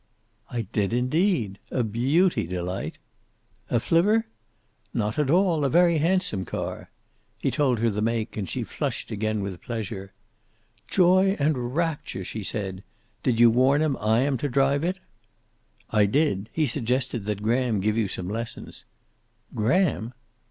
"I did, indeed. A beauty, Delight." "A flivver?" "Not at all. A very handsome car." He told her the make, and she flushed again with pleasure. "Joy and rapture!" she said. "Did you warn him I am to drive it?" "I did. He suggests that Graham give you some lessons." "Graham!"